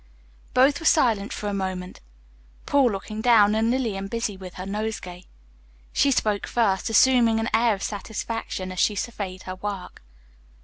Both were silent for a moment, Paul looking down and Lillian busy with her nosegay. She spoke first, assuming an air of satisfaction as she surveyed her work.